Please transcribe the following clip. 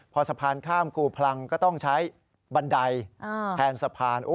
พอสะพานข้ามครูพลังก็ต้องใช้บันไดแทนสะพาน